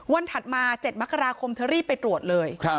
วันถัดมาเจ็ดมกราคมเธอรีบไปตรวจเลยครับ